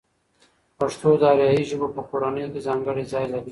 پښتو د آریایي ژبو په کورنۍ کې ځانګړی ځای لري.